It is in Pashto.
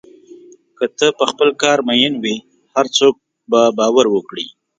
که ته په خپل کار مین وې، هر څوک به باور وکړي.